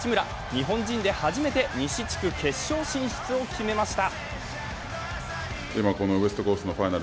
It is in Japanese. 日本人で初めて西地区決勝進出を決めました。